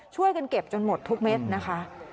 ช่วยกันเก็บจนหมดทุกเม็ดนะคะ